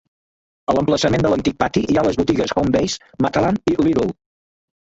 A l'emplaçament de l'antic pati hi ha les botigues Homebase, Matalan i Lidl.